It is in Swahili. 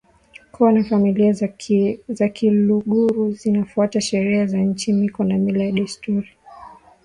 koo na familia za Kiluguru zinafuata sheria za nchi miiko ya mila na desturi